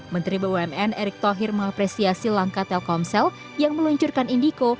menteri bumn erick thohir mengapresiasi langkah telkomsel yang meluncurkan indiko